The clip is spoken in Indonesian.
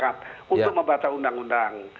untuk membaca undang undang